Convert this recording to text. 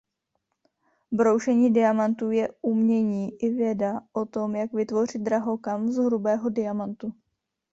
Broušení diamantů je umění i věda o tom jak vytvořit drahokam z hrubého diamantu.